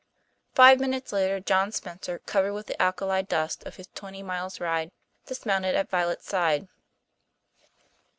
Five minutes later John Spencer, covered with the alkali dust of his twenty miles' ride, dismounted at Violet's side.